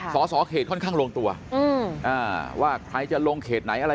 สอสอเขตค่อนข้างลงตัวว่าใครจะลงเขตไหนอะไร